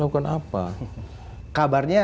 lakukan apa kabarnya